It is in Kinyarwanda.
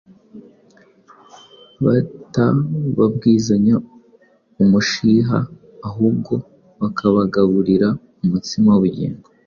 batababwizanya umushiha, ahubwo bakabagaburira umutsima w’ubugingo.